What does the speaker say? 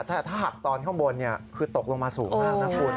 แต่ถ้าหักตอนข้างบนคือตกลงมาสูงมากนะคุณ